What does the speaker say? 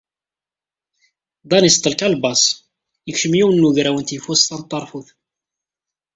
Dan iseṭṭel kalbaṣ, yekcem yiwen n wegraw n tyeffust tameṭṭarfut.